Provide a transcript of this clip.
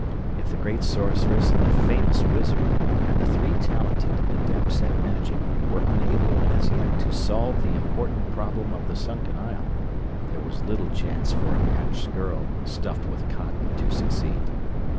If the Great Sorceress and the famous Wizard and the three talented Adepts at Magic were unable as yet to solve the important problem of the sunken isle, there was little chance for a patched girl stuffed with cotton to succeed.